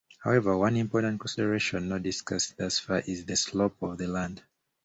However, one important consideration not discussed thus far is the slope of the land.